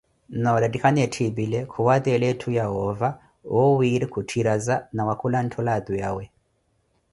Noorettikhana etthiipile, khuwaatela etthu yahoova, oowiiri khutthiraza, na khula ntthu laatu yawe.